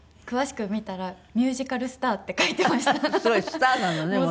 詳しく見たらミュージカルスターって書いてました。